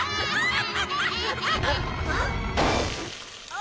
あ？